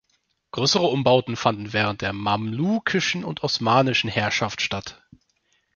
Größere Umbauten fanden während der mamlukischen und osmanischen Herrschaft statt.